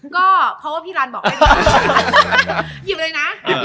ก็เพราะว่าพี่รันบอกได้ดี